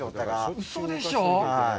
うそでしょう。